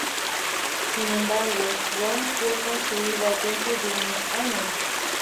Sin embargo, Rho fue reconstruida dentro de unos años.